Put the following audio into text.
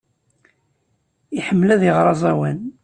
Iḥemmel ad iɣer aẓawan.